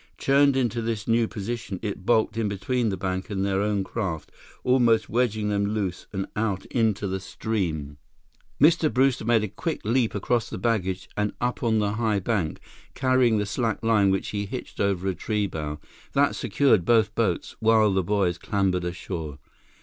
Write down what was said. Churned into this new position, it bulked in between the bank and their own craft, almost wedging them loose and out into the stream. Mr. Brewster made a quick leap across the baggage and up on to the high bank, carrying the slack line which he hitched over a tree bough. That secured both boats, while the boys clambered ashore.